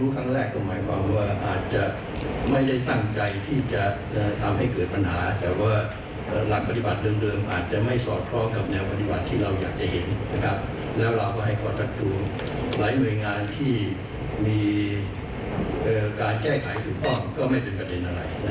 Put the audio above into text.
ก็ควรจะอธิบายแค่นั้นเอง